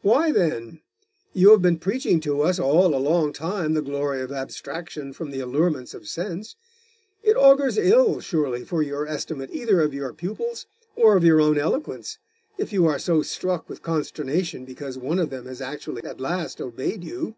'Why, then? You have been preaching to us all a long time the glory of abstraction from the allurements of sense. It augurs ill, surely, for your estimate either of your pupils or of your own eloquence, if you are so struck with consternation because one of them has actually at last obeyed you.